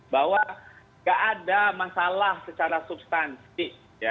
bahwa tidak ada masalah secara substansi